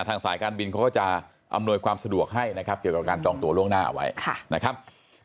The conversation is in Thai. สายการบินเขาก็จะอำนวยความสะดวกให้นะครับเกี่ยวกับการจองตัวล่วงหน้าเอาไว้นะครับ